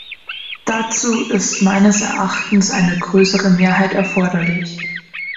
Dazu ist meines Erachtens eine größere Mehrheit erforderlich.